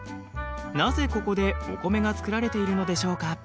なぜここでお米が作られているのでしょうか。